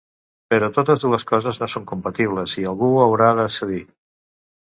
Però totes dues coses no són compatibles i algú haurà de cedir.